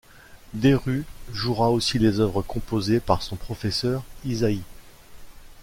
Deru jouera aussi les œuvres composées par son professeur Ysaÿe.